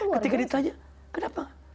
ketika ditanya kenapa